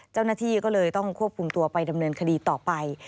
เจ้าหน้าที่ก็เลยต้องควบคุมตัวไปดำเนินคดีต่อไป